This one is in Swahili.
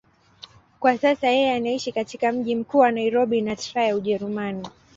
Kwa sasa yeye anaishi katika mji mkuu wa Nairobi na Trier, Ujerumani.